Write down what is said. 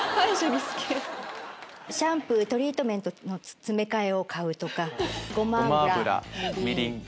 シャンプートリートメントの詰め替えを買うとか「ごま油みりん」。